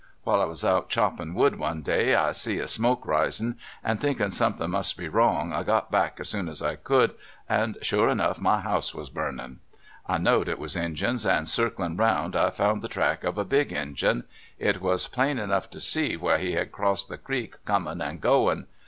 While I was out choppin' wood one day, I see a smoke risin', and thinkin' somethin' must be wrong, I got back as soon as I ccnild. and 110 The Ethics of Grizzly Hunting, sure enougli my lioiise was burnin'. I know'd it was Injuns and circliu' round I found the track of a big Injun ; it was plain enough to see where he had crossed the creek comin' and goin'.